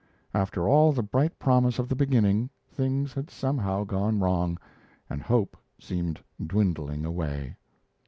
After all the bright promise of the beginning, things had somehow gone wrong, and hope seemed dwindling away.